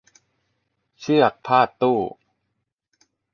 เชือกพาดตู้